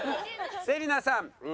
芹那さん。